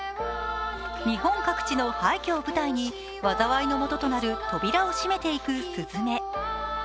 日本各地の廃虚を舞台に災いのもととなる扉を閉めていく鈴芽。